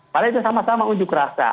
padahal itu sama sama unjuk rasa